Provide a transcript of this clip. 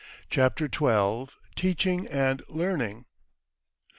CHAPTER XII. TEACHING AND LEARNING.